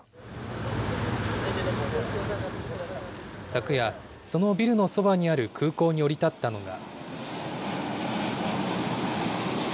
昨夜、そのビルのそばにある空港に降り立ったのが。